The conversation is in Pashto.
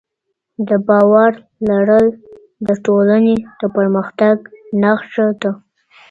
د باور لرل د ټولنې د پرمختګ نښه ده.